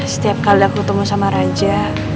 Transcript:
setiap kali aku ketemu sama raja